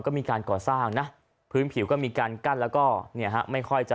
ก็มีการก่อสร้างนะพื้นผิวก็มีการกั้นแล้วก็เนี่ยฮะไม่ค่อยจะ